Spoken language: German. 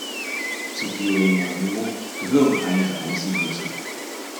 Zu Bioley-Magnoux gehören einige Einzelhöfe.